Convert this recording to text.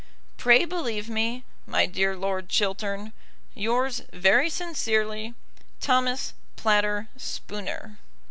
Pray believe me, My dear Lord Chiltern, Yours very sincerely, THOMAS PLATTER SPOONER.